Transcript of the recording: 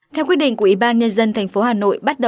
theo quyết định của ủy ban nhân dân tp hà nội